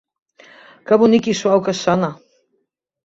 Què bonic i suau que sona!